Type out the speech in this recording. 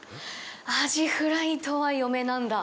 アジフライとは読めなんだ！